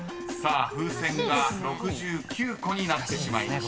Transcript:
［風船が６９個になってしまいました］